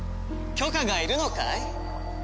許可がいるのかい？